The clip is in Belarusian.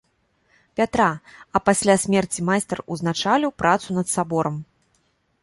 Пятра, а пасля смерці майстар узначаліў працу над саборам.